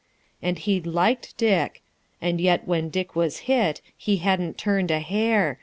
And he'd liked Dick ... and yet when Dick was hit He hadn't turned a hair.